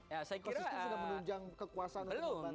ekosistem sudah menunjang kekuasaan atau bukan